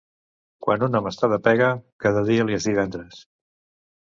Quan un home està de pega, cada dia li és divendres.